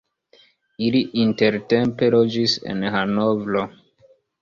Ili intertempe loĝis en Hanovro.